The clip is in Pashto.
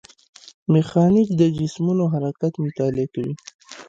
میخانیک د جسمونو حرکت مطالعه کوي.